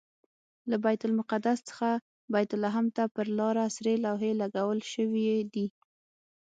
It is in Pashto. له بیت المقدس څخه بیت لحم ته پر لاره سرې لوحې لګول شوي دي.